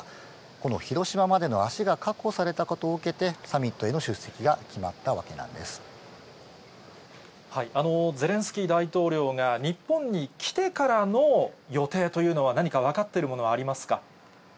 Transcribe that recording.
この広島までの足が確保されることを受けて、サミットへの出席がゼレンスキー大統領が日本に来てからの予定というのは、何か分かっているものはあります